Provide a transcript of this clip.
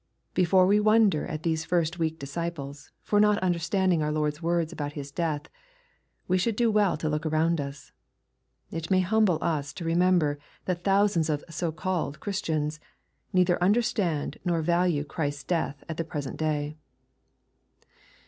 —• Before we wonder at these first weak disciples, for not understanding our Lord's words about His death, we should do well to look around us. It may humble us to remember that thousands of so called Christians neither understand nor value Christ's death at the present day.